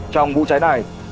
trong vụ cháy này